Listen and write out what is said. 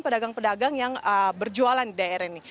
pada hari ini pedagang pedagang yang berjualan di daerah ini